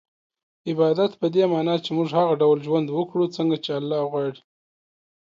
عبادت په دې مانا چي موږ هغه ډول ژوند وکړو څنګه چي الله غواړي